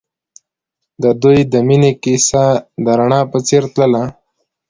د دوی د مینې کیسه د رڼا په څېر تلله.